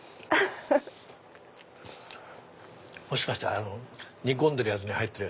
もしかしたら煮込んでるやつに入ってる？